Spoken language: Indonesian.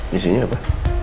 di sini apa